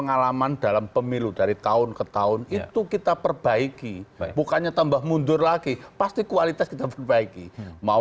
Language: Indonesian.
apakah keamanan pemerintah tersebut tapi semua mereka mengandalkan keunggulan merekaurance nanti dan sebagainya